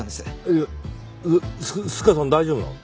いやスカさん大丈夫なの？